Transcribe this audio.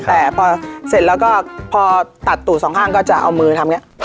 แต่พอเสร็จแล้วก็พอตัดตู่สองข้างก็จะเอามือทำอย่างนี้